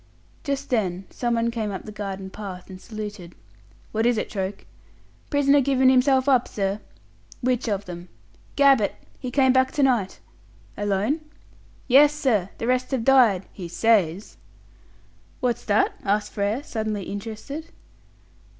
Just then someone came up the garden path and saluted. "What is it, Troke?" "Prisoner given himself up, sir." "Which of them?" "Gabbett. He came back to night." "Alone?" "Yes, sir. The rest have died he says." "What's that?" asked Frere, suddenly interested.